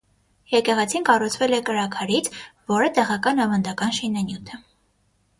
Եկեղեցին կառուցվել է կրաքարից, որը տեղական ավանդական շինանյութ է։